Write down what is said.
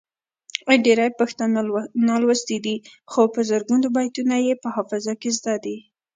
ډیری پښتانه نالوستي دي خو په زرګونو بیتونه یې په حافظه کې زده دي.